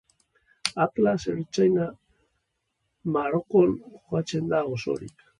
Atlas Ertaina Marokon kokatzen da osorik.